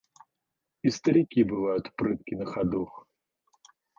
И старики бывают прытки на ходу.